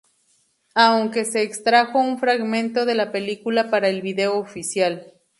Aunque se extrajo un fragmento de la película para el video oficial.